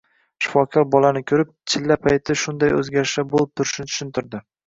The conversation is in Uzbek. Shifokor bolani ko`rib, chilla payti shunday o`zgarishlar bo`lib turishini tushuntirdi